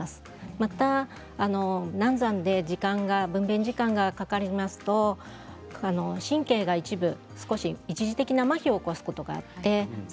また難産で分べん時間がかかりますと神経が一部、一時的なまひを引き起こすことがあります。